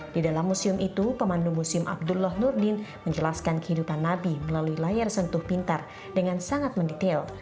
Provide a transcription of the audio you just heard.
di dalam museum itu pemandu museum abdullah nurdin menjelaskan kehidupan nabi melalui layar sentuh pintar dengan sangat mendetail